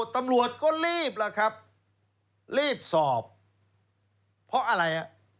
ตำรวจก็รีบล่ะครับรีบสอบเพราะอะไร